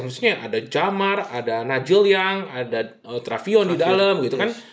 maksudnya ada jamal ada najil yang ada travion di dalam gitu kan